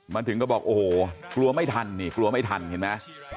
ถึงก็บอกโอ้โหกลัวไม่ทันนี่กลัวไม่ทันเห็นไหม